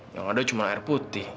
yang ada cuma air putih